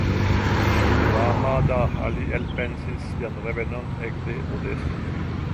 Mohammad Ali elpensis sian revenon ekde Odeso.